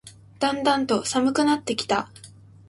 だんだんと寒くなってきた